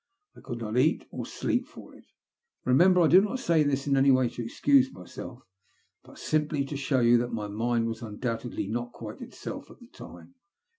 I could not eat or sleep for it. Bemember, I do not say this in any way to excuse myself, but simply to show you that my mind was undoubtedly not quite itself at the time.